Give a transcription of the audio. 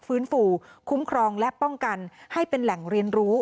ฟื้นฟูคุ้มครองและป้องกันให้เป็นแหล่งเรียนรู้